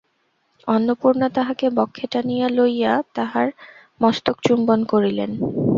অন্নপূর্ণা তাহাকে বক্ষে টানিয়া লইয়া তাহার মস্তকচুম্বন করিলেন।